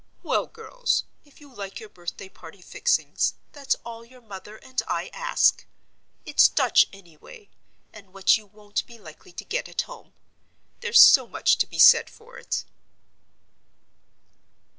"Well, girls, if you like your birthday party fixings, that's all your mother and I ask. It's Dutch, anyway, and what you won't be likely to get at home; there's so much to be said for it."